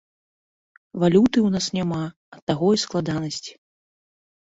Валюты ў нас няма, ад таго і складанасці.